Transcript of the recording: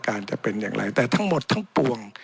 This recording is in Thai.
จะเป็นอย่างไรแต่ทั้งหมดทั้งปวง